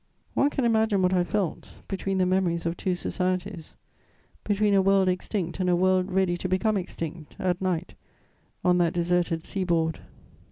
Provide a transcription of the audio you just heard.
] One can imagine what I felt, between the memories of two societies, between a world extinct and a world ready to become extinct, at night, on that deserted sea board.